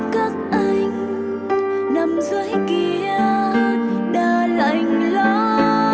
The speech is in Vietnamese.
các anh nằm dưới kia đã lành lắm